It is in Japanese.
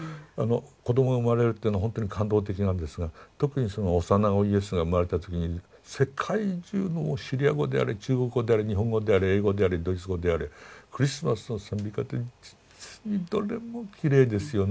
子どもが生まれるっていうのはほんとに感動的なんですが特に幼子イエスが生まれた時に世界中のシリア語であれ中国語であれ日本語であれ英語であれドイツ語であれクリスマスの賛美歌って実にどれもきれいですよね。